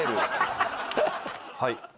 はい。